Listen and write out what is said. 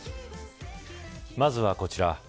まずはこちら。